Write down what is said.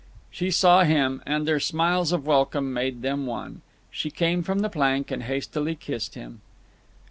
She saw him, and their smiles of welcome made them one. She came from the plank and hastily kissed him.